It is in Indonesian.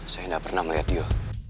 saya tidak pernah melihat dia